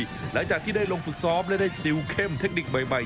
หลังจากที่ได้ลงฝึกซ้อมและได้ติวเข้มเทคนิคใหม่